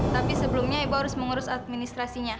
tapi sebelumnya ibu harus mengurus administrasinya